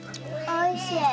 おいしい。